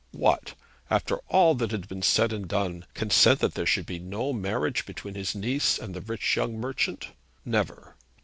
What; after all that had been said and done, consent that there should be no marriage between his niece and the rich young merchant! Never.